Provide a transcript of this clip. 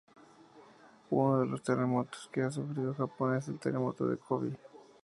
Uno de los terremotos que ha sufrido Japón es el terremoto de Kobe.